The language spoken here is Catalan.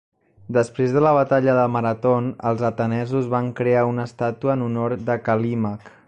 Després de la batalla de Marathon, els atenesos van crear una estàtua en honor de Calímac.